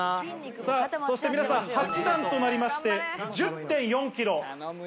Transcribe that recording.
さあ、そして皆さん、８段となりまして、１０．４キロ。